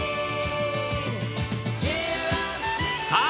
さあ